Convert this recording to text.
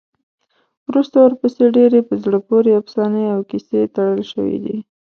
وروسته ورپسې ډېرې په زړه پورې افسانې او کیسې تړل شوي دي.